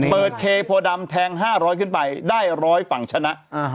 เปิดเคโพดำแทง๕๐๐ขึ้นไปได้๑๐๐ฝั่งชนะ